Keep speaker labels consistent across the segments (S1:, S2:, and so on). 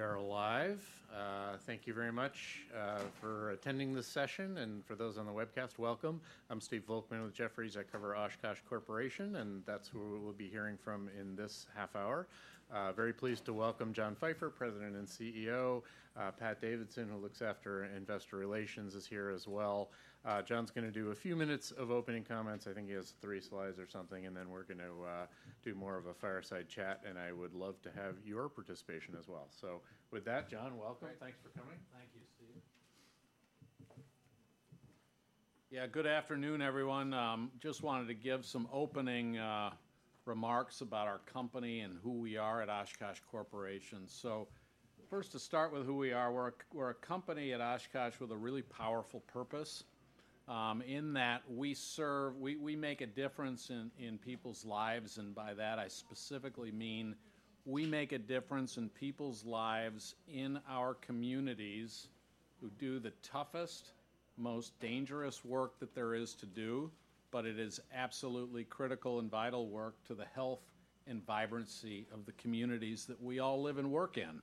S1: All right, we are live. Thank you very much for attending this session, and for those on the webcast, welcome. I'm Steve Volkmann with Jefferies. I cover Oshkosh Corporation, and that's who we'll be hearing from in this half hour. Very pleased to welcome John Pfeifer, President and CEO. Pat Davidson, who looks after investor relations, is here as well. John's gonna do a few minutes of opening comments. I think he has three slides or something, and then we're gonna do more of a fireside chat, and I would love to have your participation as well. So with that, John, welcome.
S2: Great.
S1: Thanks for coming.
S2: Thank you, Steve. Yeah, good afternoon, everyone. Just wanted to give some opening remarks about our company and who we are at Oshkosh Corporation. So first, to start with who we are, we're a, we're a company at Oshkosh with a really powerful purpose, in that we serve. We, we make a difference in, in people's lives, and by that I specifically mean we make a difference in people's lives in our communities who do the toughest, most dangerous work that there is to do, but it is absolutely critical and vital work to the health and vibrancy of the communities that we all live and work in.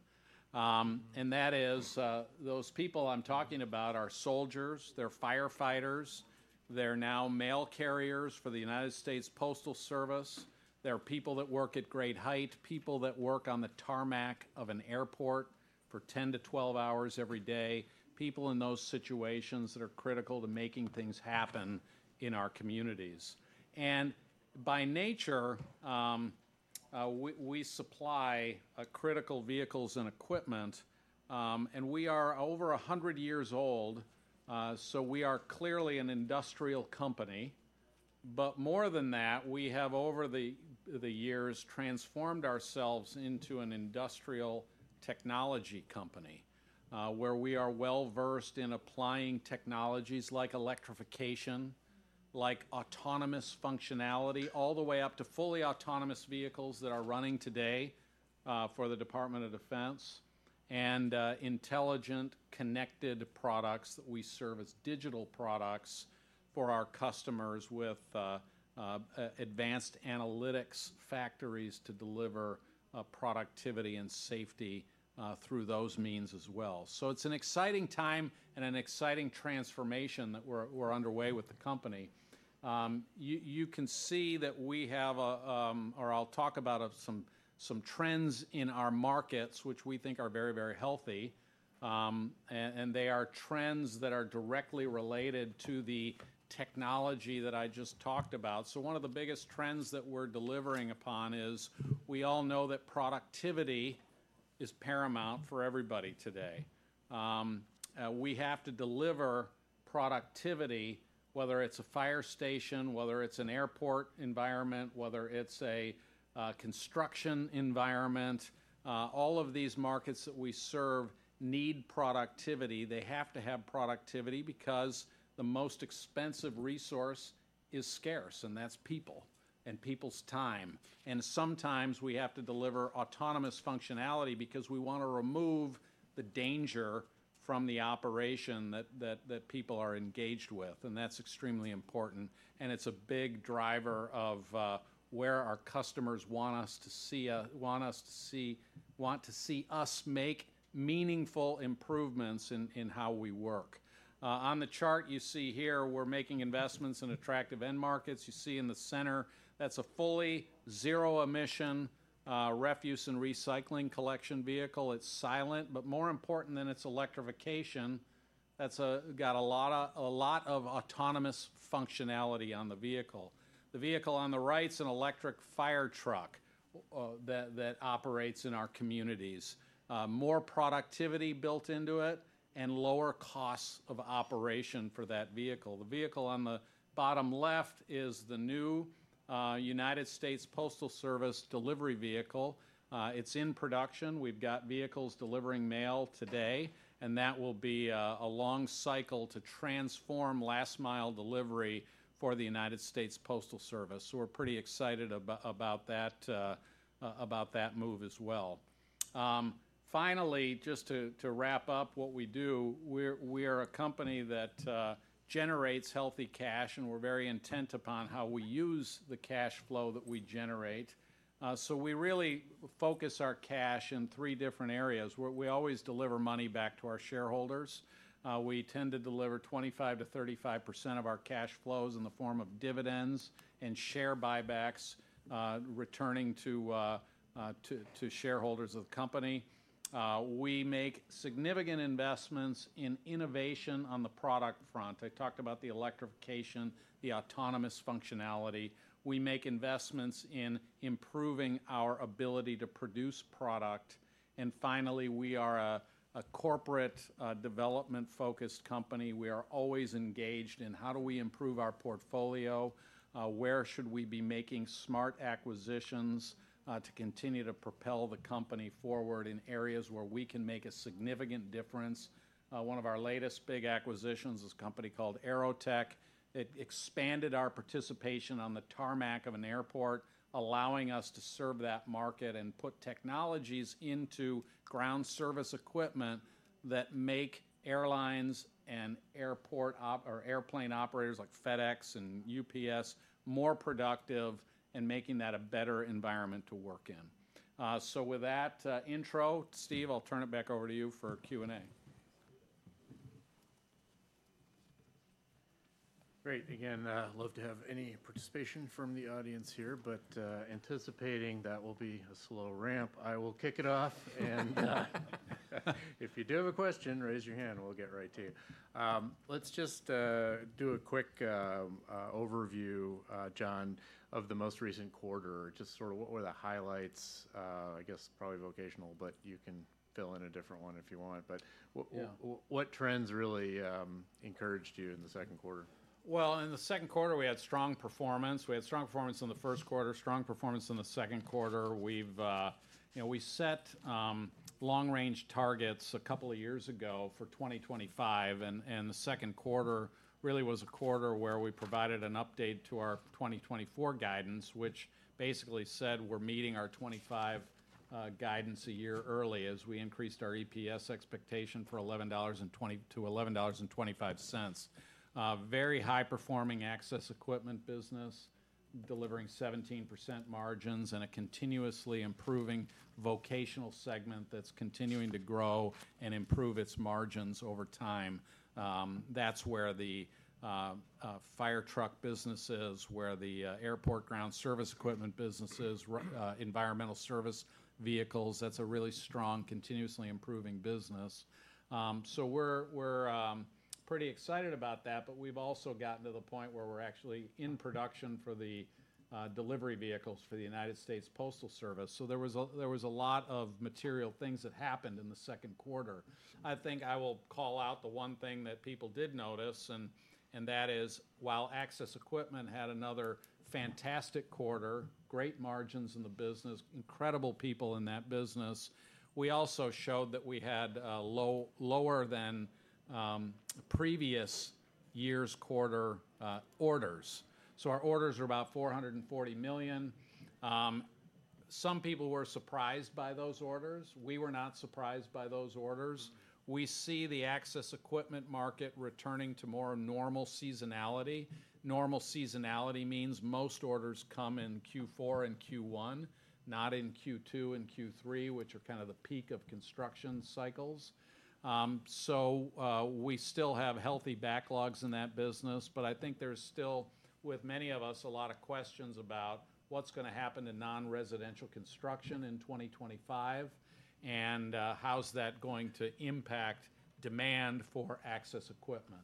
S2: And that is, those people I'm talking about are soldiers, they're firefighters, they're now mail carriers for the United States Postal Service. They're people that work at great height, people that work on the tarmac of an airport for ten to twelve hours every day, people in those situations that are critical to making things happen in our communities. And by nature, we supply critical vehicles and equipment, and we are over a hundred years old, so we are clearly an industrial company. But more than that, we have over the years transformed ourselves into an industrial technology company, where we are well-versed in applying technologies like electrification, like autonomous functionality, all the way up to fully autonomous vehicles that are running today for the Department of Defense, and intelligent, connected products that we serve as digital products for our customers with advanced analytics factories to deliver productivity and safety through those means as well. It's an exciting time and an exciting transformation that we're underway with the company. You can see, or I'll talk about some trends in our markets, which we think are very, very healthy. And they are trends that are directly related to the technology that I just talked about. So one of the biggest trends that we're delivering upon is, we all know that productivity is paramount for everybody today. We have to deliver productivity, whether it's a fire station, whether it's an airport environment, whether it's a construction environment, all of these markets that we serve need productivity. They have to have productivity because the most expensive resource is scarce, and that's people and people's time. Sometimes we have to deliver autonomous functionality because we wanna remove the danger from the operation that people are engaged with, and that's extremely important, and it's a big driver of where our customers want to see us make meaningful improvements in how we work. On the chart you see here, we're making investments in attractive end markets. You see in the center, that's a fully zero-emission refuse and recycling collection vehicle. It's silent, but more important than its electrification, that's got a lot of autonomous functionality on the vehicle. The vehicle on the right's an electric fire truck that operates in our communities. More productivity built into it, and lower costs of operation for that vehicle. The vehicle on the bottom left is the new, United States Postal Service delivery vehicle. It's in production. We've got vehicles delivering mail today, and that will be a long cycle to transform last-mile delivery for the United States Postal Service, so we're pretty excited about that move as well. Finally, just to wrap up what we do, we are a company that generates healthy cash, and we're very intent upon how we use the cash flow that we generate. So we really focus our cash in three different areas, where we always deliver money back to our shareholders. We tend to deliver 25%-35% of our cash flows in the form of dividends and share buybacks, returning to shareholders of the company. We make significant investments in innovation on the product front. I talked about the electrification, the autonomous functionality. We make investments in improving our ability to produce product. And finally, we are a corporate development-focused company. We are always engaged in how do we improve our portfolio, where should we be making smart acquisitions, to continue to propel the company forward in areas where we can make a significant difference? One of our latest big acquisitions is a company called AeroTech. It expanded our participation on the tarmac of an airport, allowing us to serve that market and put technologies into ground service equipment that make airlines and airport or airplane operators like FedEx and UPS more productive in making that a better environment to work in. So with that intro, Steve, I'll turn it back over to you for Q&A....
S1: Great. Again, love to have any participation from the audience here, but, anticipating that will be a slow ramp, I will kick it off. And, if you do have a question, raise your hand, and we'll get right to you. Let's just do a quick overview, John, of the most recent quarter. Just sort of what were the highlights? I guess probably vocational, but you can fill in a different one if you want. But-
S2: Yeah
S1: What trends really encouraged you in the second quarter?
S2: In the second quarter, we had strong performance. We had strong performance in the first quarter, strong performance in the second quarter. We've... You know, we set long-range targets a couple of years ago for 2025, and, and the second quarter really was a quarter where we provided an update to our 2024 guidance, which basically said we're meeting our '25 guidance a year early as we increased our EPS expectation for $11.20-$11.25. Very high-performing access equipment business, delivering 17% margins and a continuously improving vocational segment that's continuing to grow and improve its margins over time. That's where the fire truck business is, where the airport ground service equipment business is, environmental service vehicles. That's a really strong, continuously improving business. So we're pretty excited about that, but we've also gotten to the point where we're actually in production for the delivery vehicles for the United States Postal Service. So there was a lot of material things that happened in the second quarter. I think I will call out the one thing that people did notice, and that is while access equipment had another fantastic quarter, great margins in the business, incredible people in that business, we also showed that we had lower than previous year's quarter orders. So our orders were about $440 million. Some people were surprised by those orders. We were not surprised by those orders. We see the access equipment market returning to more normal seasonality. Normal seasonality means most orders come in Q4 and Q1, not in Q2 and Q3, which are kind of the peak of construction cycles. So, we still have healthy backlogs in that business, but I think there's still, with many of us, a lot of questions about what's gonna happen to non-residential construction in twenty twenty-five, and, how's that going to impact demand for access equipment?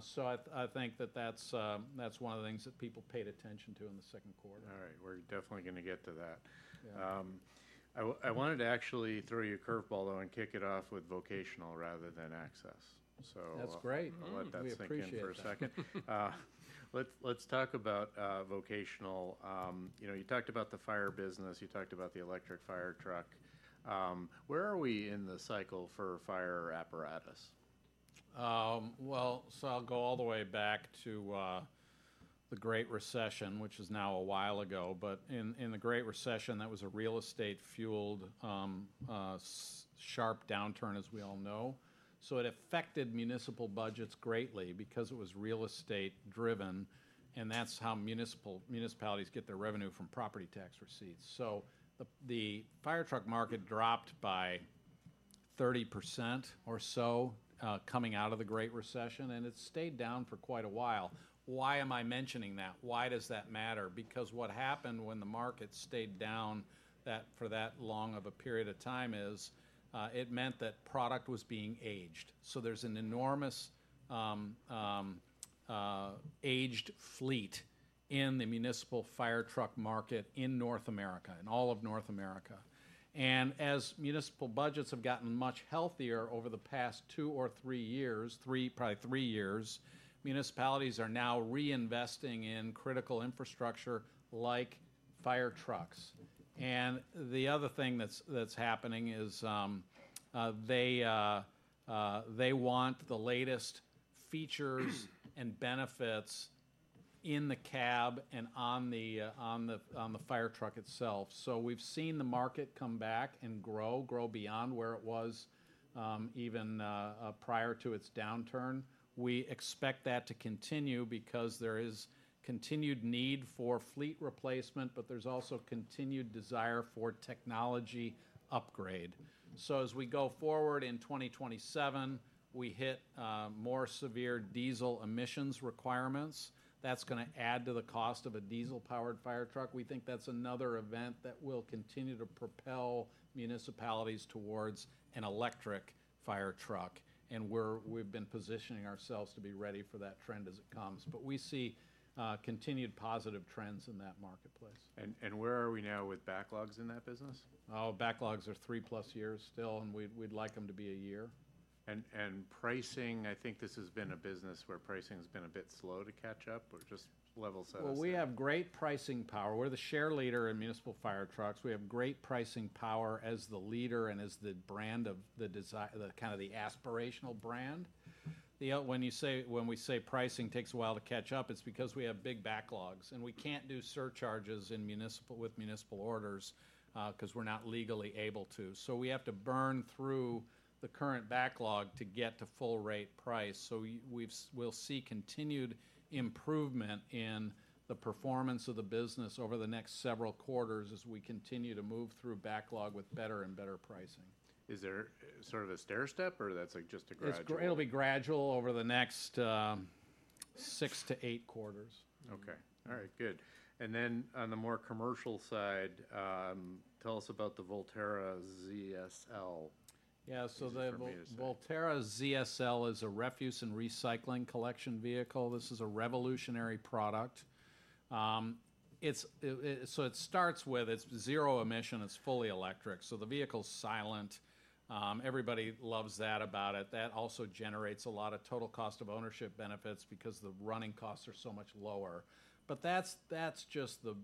S2: So I think that's one of the things that people paid attention to in the second quarter.
S1: All right, we're definitely gonna get to that.
S2: Yeah.
S1: I wanted to actually throw you a curve ball, though, and kick it off with vocational rather than access. So-
S2: That's great.
S1: Let that sink in for a second.
S2: We appreciate that.
S1: Let's talk about vocational. You know, you talked about the fire business, you talked about the electric fire truck. Where are we in the cycle for fire apparatus?
S2: Well, so I'll go all the way back to the Great Recession, which is now a while ago, but in the Great Recession, that was a real estate-fueled sharp downturn, as we all know. So it affected municipal budgets greatly because it was real estate-driven, and that's how municipalities get their revenue from property tax receipts. So the fire truck market dropped by 30% or so coming out of the Great Recession, and it stayed down for quite a while. Why am I mentioning that? Why does that matter? Because what happened when the market stayed down for that long of a period of time is it meant that product was being aged. So there's an enormous aged fleet in the municipal fire truck market in North America, in all of North America. And as municipal budgets have gotten much healthier over the past two or three years, probably three years, municipalities are now reinvesting in critical infrastructure like fire trucks. And the other thing that's happening is they want the latest features and benefits in the cab and on the fire truck itself. So we've seen the market come back and grow beyond where it was even prior to its downturn. We expect that to continue because there is continued need for fleet replacement, but there's also continued desire for technology upgrade. So as we go forward in twenty twenty-seven, we hit more severe diesel emissions requirements. That's gonna add to the cost of a diesel-powered fire truck. We think that's another event that will continue to propel municipalities towards an electric fire truck, and we've been positioning ourselves to be ready for that trend as it comes. But we see continued positive trends in that marketplace.
S1: Where are we now with backlogs in that business?
S2: Oh, backlogs are three-plus years still, and we'd like them to be a year.
S1: Pricing, I think this has been a business where pricing has been a bit slow to catch up or just level set us there.
S2: We have great pricing power. We're the share leader in municipal fire trucks. We have great pricing power as the leader and as the brand of the kind of the aspirational brand. When we say pricing takes a while to catch up, it's because we have big backlogs, and we can't do surcharges with municipal orders, 'cause we're not legally able to. So we have to burn through the current backlog to get to full rate price. So we'll see continued improvement in the performance of the business over the next several quarters as we continue to move through backlog with better and better pricing.
S1: Is there sort of a stairstep, or that's, like, just a gradual?
S2: It'll be gradual over the next six to eight quarters.
S1: Okay. All right, good. And then on the more commercial side, tell us about the Volterra ZSL.
S2: Yeah, so the-
S1: Easy for me to say....
S2: Volterra ZSL is a refuse and recycling collection vehicle. This is a revolutionary product. So it starts with it's zero emission, it's fully electric, so the vehicle's silent. Everybody loves that about it. That also generates a lot of total cost of ownership benefits because the running costs are so much lower. But that's just the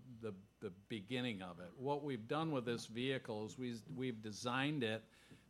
S2: beginning of it. What we've done with this vehicle is we've designed it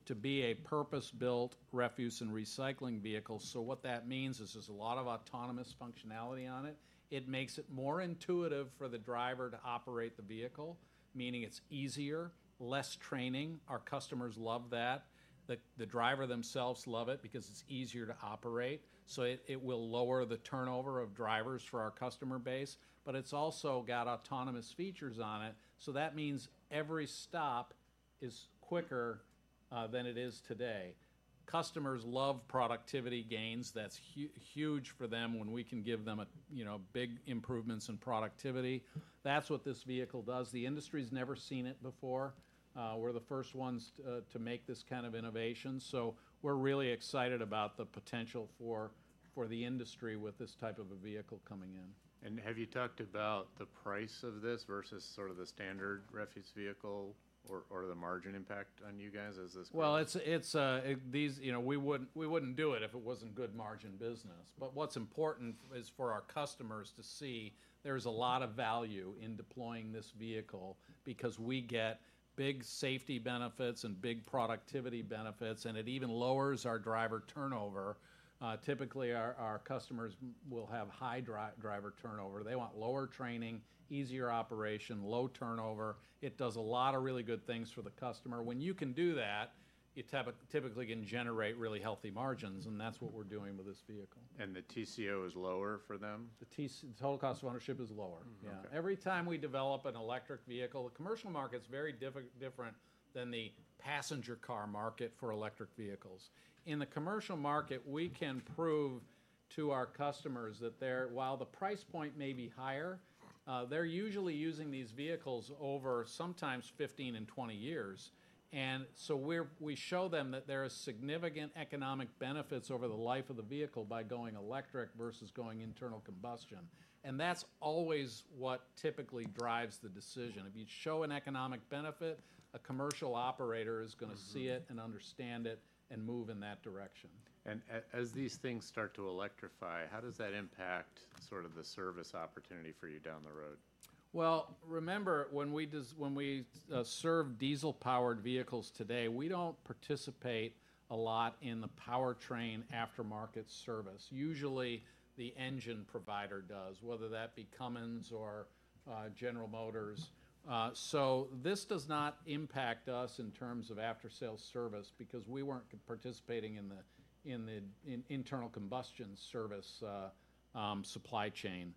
S2: to be a purpose-built refuse and recycling vehicle. So what that means is there's a lot of autonomous functionality on it. It makes it more intuitive for the driver to operate the vehicle, meaning it's easier, less training. Our customers love that. The driver themselves love it because it's easier to operate, so it will lower the turnover of drivers for our customer base. But it's also got autonomous features on it, so that means every stop is quicker than it is today. Customers love productivity gains. That's huge for them when we can give them a, you know, big improvements in productivity. That's what this vehicle does. The industry's never seen it before. We're the first ones to make this kind of innovation, so we're really excited about the potential for the industry with this type of a vehicle coming in.
S1: And have you talked about the price of this versus sort of the standard refuse vehicle or, or the margin impact on you guys as this?
S2: It's these, you know, we wouldn't do it if it wasn't good margin business. But what's important is for our customers to see there's a lot of value in deploying this vehicle because we get big safety benefits and big productivity benefits, and it even lowers our driver turnover. Typically, our customers will have high driver turnover. They want lower training, easier operation, low turnover. It does a lot of really good things for the customer. When you can do that, you typically can generate really healthy margins, and that's what we're doing with this vehicle.
S1: The TCO is lower for them?
S2: The total cost of ownership is lower.
S1: Mm-hmm.
S2: Yeah.
S1: Okay.
S2: Every time we develop an electric vehicle, the commercial market's very different than the passenger car market for electric vehicles. In the commercial market, we can prove to our customers that there, while the price point may be higher, they're usually using these vehicles over sometimes 15 and 20 years. And so we're, we show them that there are significant economic benefits over the life of the vehicle by going electric versus going internal combustion, and that's always what typically drives the decision. If you show an economic benefit, a commercial operator is gonna-
S1: Mm-hmm...
S2: see it and understand it and move in that direction.
S1: As these things start to electrify, how does that impact sort of the service opportunity for you down the road?
S2: Well, remember, when we serve diesel-powered vehicles today, we don't participate a lot in the powertrain aftermarket service. Usually, the engine provider does, whether that be Cummins or General Motors. So this does not impact us in terms of after-sale service because we weren't participating in the internal combustion service supply chain.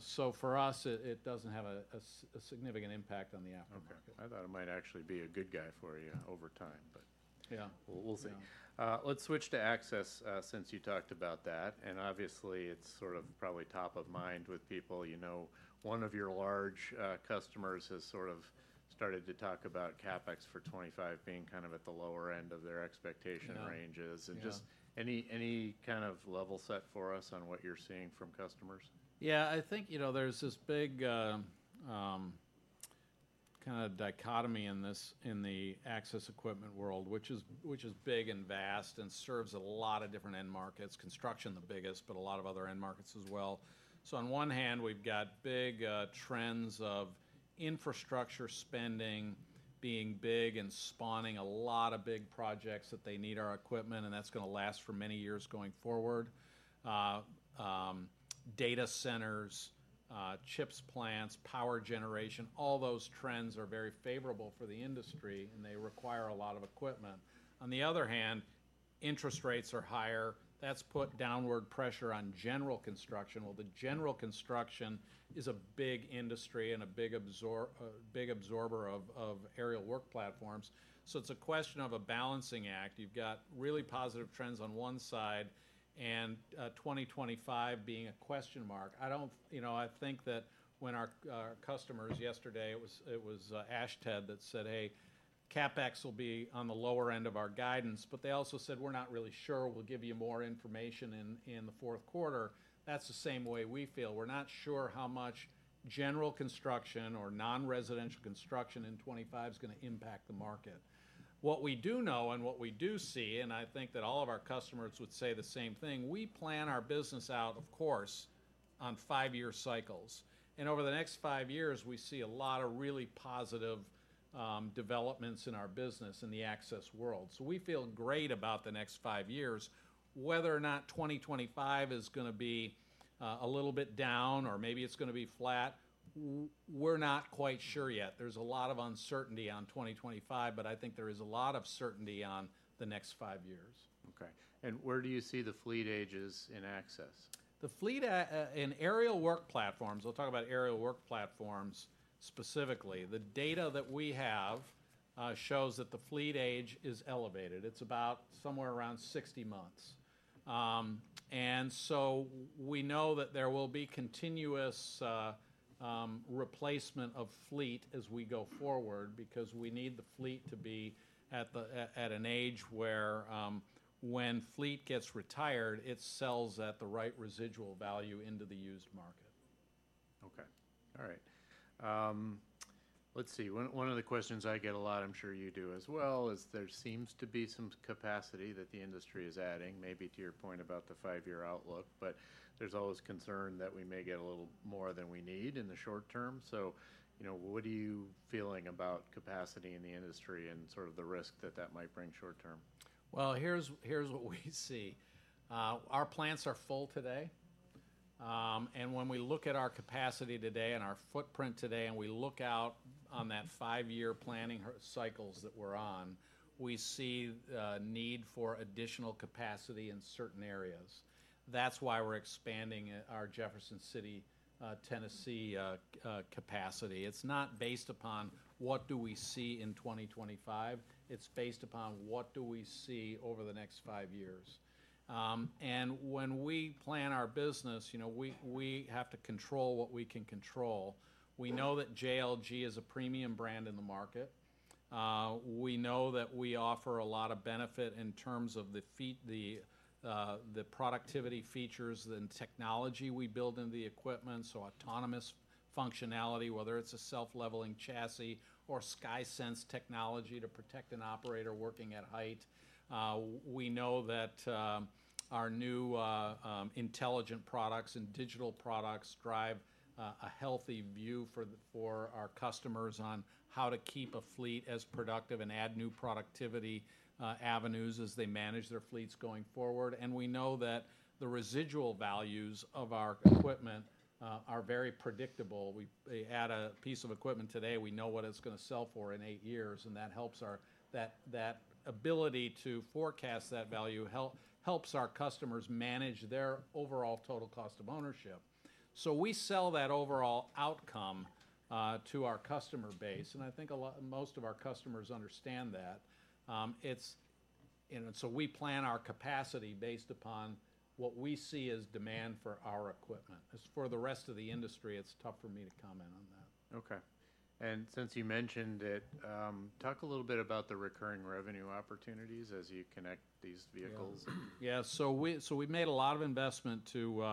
S2: So for us, it doesn't have a significant impact on the aftermarket.
S1: Okay. I thought it might actually be a good guy for you over time, but-
S2: Yeah.
S1: We'll see.
S2: Yeah.
S1: Let's switch to access, since you talked about that, and obviously it's sort of probably top of mind with people. You know, one of your large customers has sort of started to talk about CapEx for 2025 being kind of at the lower end of their expectation ranges.
S2: Yeah.
S1: And just any kind of level set for us on what you're seeing from customers?
S2: Yeah, I think, you know, there's this big, kinda dichotomy in this, in the access equipment world, which is big and vast and serves a lot of different end markets, construction the biggest, but a lot of other end markets as well. So on one hand, we've got big trends of infrastructure spending being big and spawning a lot of big projects that they need our equipment, and that's gonna last for many years going forward. Data centers, chip plants, power generation, all those trends are very favorable for the industry, and they require a lot of equipment. On the other hand, interest rates are higher. That's put downward pressure on general construction. The general construction is a big industry and a big absorber of aerial work platforms, so it's a question of a balancing act. You've got really positive trends on one side and 2025 being a question mark. I don't, you know, I think that when our customers, yesterday, it was Ashtead that said, "Hey, CapEx will be on the lower end of our guidance," but they also said, "We're not really sure. We'll give you more information in the fourth quarter." That's the same way we feel. We're not sure how much general construction or non-residential construction in twenty-five is gonna impact the market. What we do know and what we do see, and I think that all of our customers would say the same thing, we plan our business out, of course, on five-year cycles, and over the next five years, we see a lot of really positive developments in our business in the access world. We feel great about the next five years. Whether or not 2025 is gonna be a little bit down or maybe it's gonna be flat, we're not quite sure yet. There's a lot of uncertainty on 2025, but I think there is a lot of certainty on the next five years.
S1: Okay, and where do you see the fleet ages in access?
S2: The fleet in aerial work platforms, we'll talk about aerial work platforms specifically. The data that we have shows that the fleet age is elevated. It's about somewhere around 60 months, and so we know that there will be continuous replacement of fleet as we go forward, because we need the fleet to be at an age where when fleet gets retired, it sells at the right residual value into the used market.
S1: Okay. All right. Let's see. One of the questions I get a lot, I'm sure you do as well, is there seems to be some capacity that the industry is adding, maybe to your point about the five-year outlook, but there's always concern that we may get a little more than we need in the short term. So, you know, what are you feeling about capacity in the industry and sort of the risk that that might bring short term?
S2: Here's what we see. Our plants are full today, and when we look at our capacity today and our footprint today, and we look out on that five-year planning cycles that we're on, we see need for additional capacity in certain areas. That's why we're expanding our Jefferson City, Tennessee capacity. It's not based upon what do we see in twenty twenty-five? It's based upon what do we see over the next five years? And when we plan our business, you know, we have to control what we can control. We know that JLG is a premium brand in the market. We know that we offer a lot of benefit in terms of the productivity features and technology we build in the equipment, so autonomous functionality, whether it's a self-leveling chassis or SkySense technology to protect an operator working at height. We know that our new intelligent products and digital products drive a healthy view for our customers on how to keep a fleet as productive and add new productivity avenues as they manage their fleets going forward. And we know that the residual values of our equipment are very predictable. We know they add a piece of equipment today, we know what it's gonna sell for in eight years, and that helps our customers. That ability to forecast that value helps our customers manage their overall total cost of ownership. So we sell that overall outcome to our customer base, and I think a lot, most of our customers understand that. It's and so we plan our capacity based upon what we see as demand for our equipment. As for the rest of the industry, it's tough for me to comment on that.
S1: Okay, and since you mentioned it, talk a little bit about the recurring revenue opportunities as you connect these vehicles.
S2: Yeah. Yeah, so we've made a lot of investment to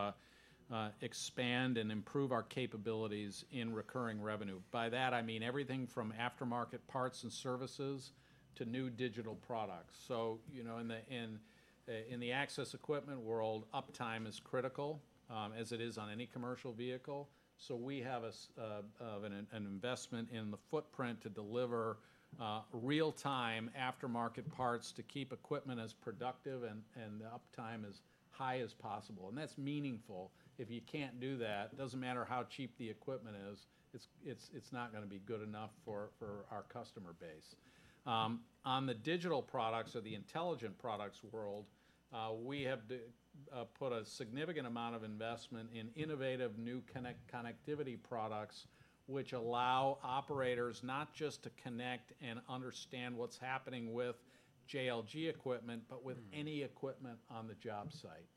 S2: expand and improve our capabilities in recurring revenue. By that, I mean everything from aftermarket parts and services to new digital products. So, you know, in the access equipment world, uptime is critical, as it is on any commercial vehicle. So we have an investment in the footprint to deliver real-time aftermarket parts to keep equipment as productive and the uptime as high as possible, and that's meaningful. If you can't do that, doesn't matter how cheap the equipment is, it's not gonna be good enough for our customer base. On the digital products or the intelligent products world, we have put a significant amount of investment in innovative new connectivity products, which allow operators not just to connect and understand what's happening with JLG equipment.
S1: Mm-hmm...
S2: but with any equipment on the job site,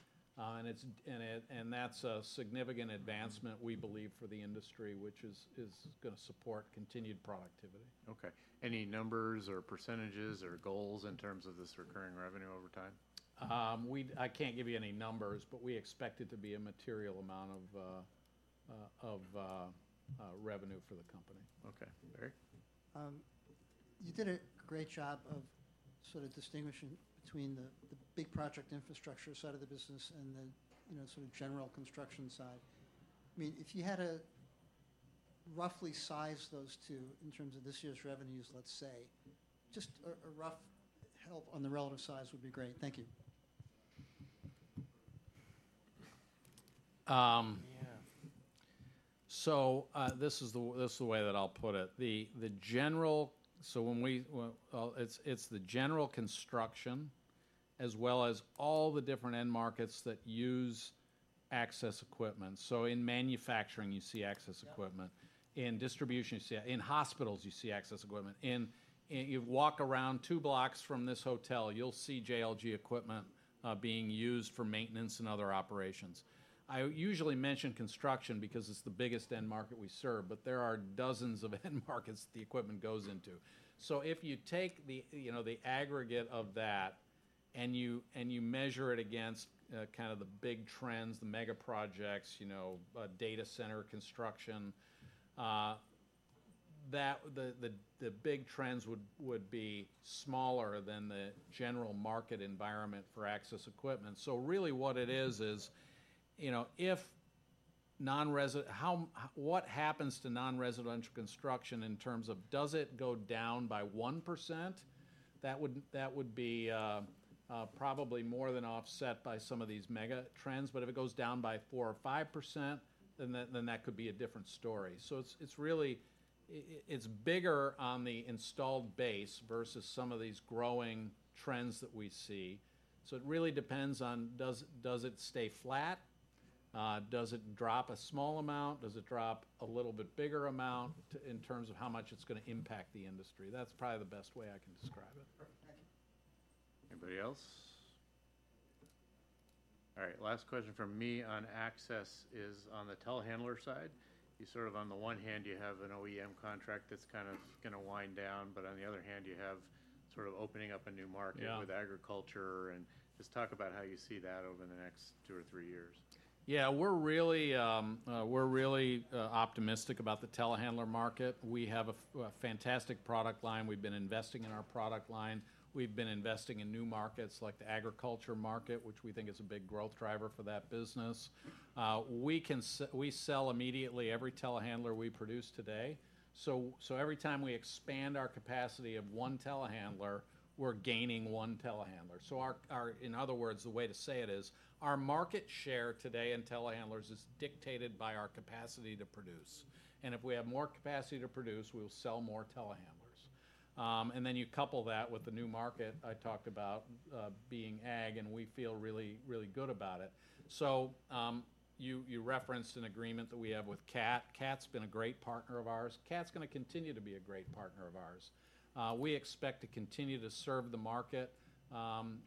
S2: and that's a significant advancement-
S1: Mm-hmm...
S2: we believe, for the industry, which is gonna support continued productivity.
S1: Okay. Any numbers or percentages or goals in terms of this recurring revenue over time?
S2: I can't give you any numbers, but we expect it to be a material amount of revenue for the company.
S1: Okay. Barry? You did a great job of sort of distinguishing between the big project infrastructure side of the business and the, you know, sort of general construction side. I mean, if you had to roughly size those two in terms of this year's revenues, let's say, just a rough help on the relative size would be great. Thank you.
S2: Um-
S1: Yeah.
S2: So, this is the way that I'll put it: the general construction, as well as all the different end markets that use access equipment. So in manufacturing, you see access equipment- Yep... in distribution, you see it. In hospitals, you see access equipment. In and you walk around two blocks from this hotel, you'll see JLG equipment being used for maintenance and other operations. I usually mention construction because it's the biggest end market we serve, but there are dozens of end markets the equipment goes into. So if you take the, you know, the aggregate of that, and you, and you measure it against kind of the big trends, the mega projects, you know, data center construction, the big trends would be smaller than the general market environment for access equipment. So really what it is, is, you know, if non-residential, what happens to non-residential construction in terms of does it go down by 1%? That would be probably more than offset by some of these mega trends. But if it goes down by 4 or 5%, then that could be a different story. So it's really bigger on the installed base versus some of these growing trends that we see. So it really depends on does it stay flat? Does it drop a small amount? Does it drop a little bit bigger amount in terms of how much it's gonna impact the industry? That's probably the best way I can describe it. Perfect. Thank you.
S1: Anybody else? All right, last question from me on access is on the telehandler side. You sort of, on the one hand, you have an OEM contract that's kind of gonna wind down, but on the other hand, you have sort of opening up a new market-
S2: Yeah
S1: with agriculture, and just talk about how you see that over the next two or three years.
S2: Yeah, we're really optimistic about the telehandler market. We have a fantastic product line. We've been investing in our product line. We've been investing in new markets, like the agriculture market, which we think is a big growth driver for that business. We can sell immediately every telehandler we produce today, so every time we expand our capacity of one telehandler, we're gaining one telehandler. So in other words, the way to say it is, our market share today in telehandlers is dictated by our capacity to produce, and if we have more capacity to produce, we'll sell more telehandlers. And then you couple that with the new market I talked about, being ag, and we feel really, really good about it. So you referenced an agreement that we have with Cat. Cat's been a great partner of ours. Cat's gonna continue to be a great partner of ours. We expect to continue to serve the market, and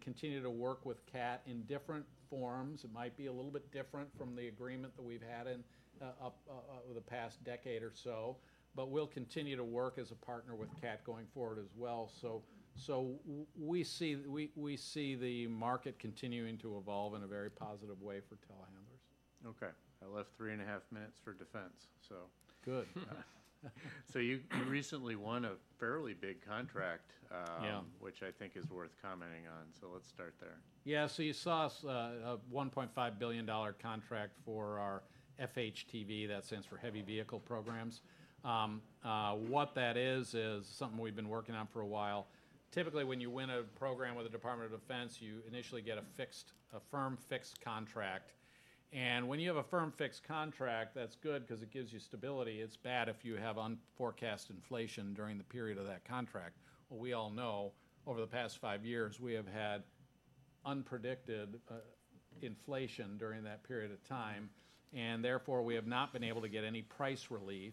S2: continue to work with Cat in different forms. It might be a little bit different from the agreement that we've had in, over the past decade or so, but we'll continue to work as a partner with Cat going forward as well. We see the market continuing to evolve in a very positive way for telehandlers.
S1: Okay. I left three and a half minutes for defense, so-
S2: Good.
S1: So you recently won a fairly big contract.
S2: Yeah...
S1: which I think is worth commenting on, so let's start there.
S2: Yeah, so you saw us a $1.5 billion contract for our FHTV. That stands for heavy vehicle programs. What that is, is something we've been working on for a while. Typically, when you win a program with the Department of Defense, you initially get a firm-fixed contract, and when you have a firm-fixed contract, that's good 'cause it gives you stability. It's bad if you have unforecast inflation during the period of that contract. We all know, over the past five years, we have had unpredicted inflation during that period of time, and therefore, we have not been able to get any price relief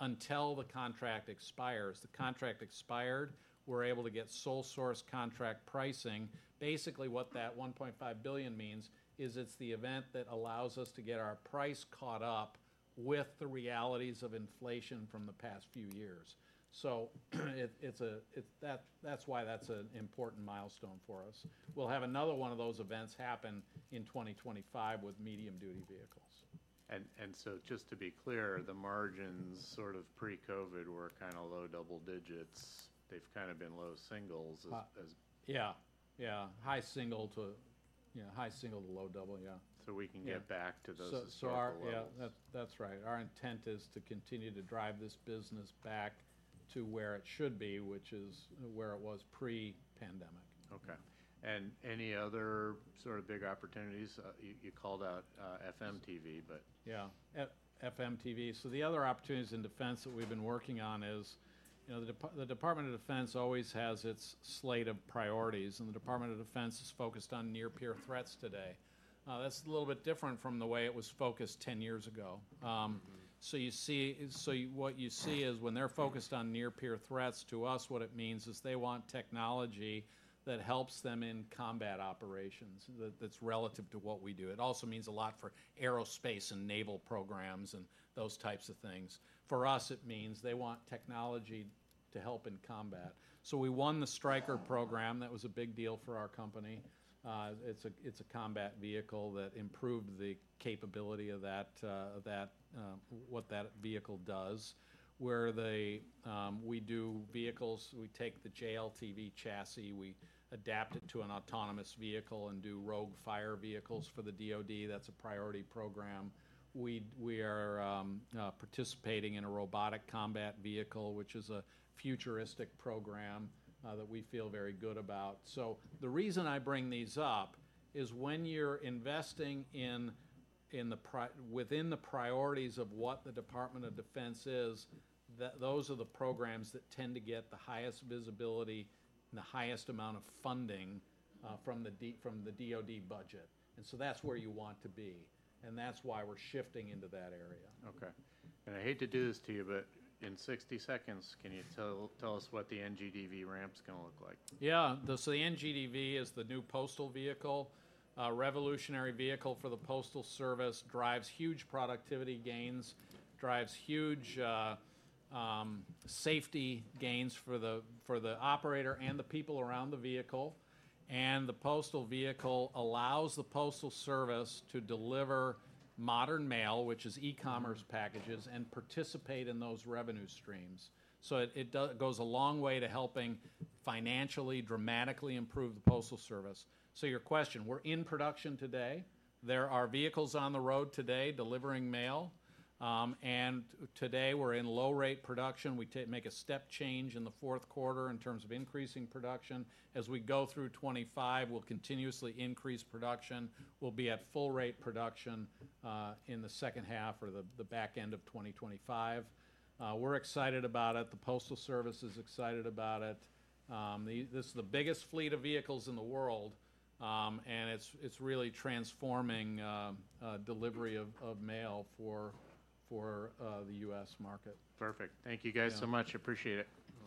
S2: until the contract expires. The contract expired. We're able to get sole source contract pricing. Basically, what that $1.5 billion means is it's the event that allows us to get our price caught up with the realities of inflation from the past few years. So it's a, that's why that's an important milestone for us. We'll have another one of those events happen in 2025 with medium-duty vehicles.
S1: just to be clear, the margins sort of pre-COVID were kinda low double digits. They've kind of been low singles as
S2: Yeah, yeah, high single to, yeah, high single to low double, yeah.
S1: So we can get back to those-
S2: So our-
S1: higher levels.
S2: Yeah, that's, that's right. Our intent is to continue to drive this business back to where it should be, which is where it was pre-pandemic.
S1: Okay. And any other sort of big opportunities? You called out FMTV, but...
S2: Yeah, FMTV. So the other opportunities in defense that we've been working on is, you know, the Department of Defense always has its slate of priorities, and the Department of Defense is focused on near-peer threats today. That's a little bit different from the way it was focused ten years ago.
S1: Mm-hmm...
S2: so you see, so what you see is, when they're focused on near-peer threats, to us, what it means is they want technology that helps them in combat operations, that, that's relative to what we do. It also means a lot for aerospace and naval programs and those types of things. For us, it means they want technology to help in combat. So we won the Stryker program. That was a big deal for our company. It's a combat vehicle that improved the capability of that, what that vehicle does, where they, we do vehicles. We take the JLTV chassis, we adapt it to an autonomous vehicle and do ROGUE Fires vehicles for the DoD. That's a priority program. We are participating in a Robotic Combat Vehicle, which is a futuristic program, that we feel very good about. So the reason I bring these up is when you're investing in within the priorities of what the Department of Defense is, those are the programs that tend to get the highest visibility and the highest amount of funding from the DoD budget, and so that's where you want to be, and that's why we're shifting into that area.
S1: Okay, and I hate to do this to you, but in sixty seconds, can you tell us what the NGDV ramp's gonna look like?
S2: Yeah. The, so the NGDV is the new postal vehicle, a revolutionary vehicle for the Postal Service. Drives huge productivity gains, drives huge safety gains for the operator and the people around the vehicle, and the postal vehicle allows the Postal Service to deliver modern mail, which is e-commerce packages, and participate in those revenue streams. So it goes a long way to helping financially dramatically improve the Postal Service. So your question, we're in production today. There are vehicles on the road today delivering mail, and today, we're in low-rate production. We make a step change in the fourth quarter in terms of increasing production. As we go through twenty-five, we'll continuously increase production. We'll be at full-rate production in the second half or the back end of twenty twenty-five. We're excited about it. The Postal Service is excited about it. This is the biggest fleet of vehicles in the world, and it's really transforming delivery of mail for the U.S. market.
S1: Perfect. Thank you guys so much.
S2: Yeah.
S1: Appreciate it.